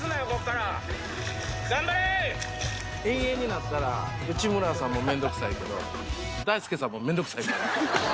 遠泳になったら内村さんもめんどくさいけど、大輔さんもめんどくさいから。